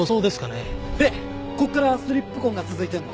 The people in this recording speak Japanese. でここからスリップ痕が続いてるの。